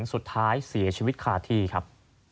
สุดท้ายเสียชีวิตคาที่ครับ